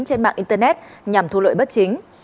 trên mạng internet nhằm thu lợi bất chính